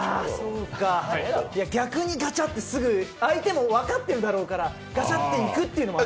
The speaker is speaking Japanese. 逆にガチャッて、すぐ、相手も分かってるだろうからガチャッていくっていう。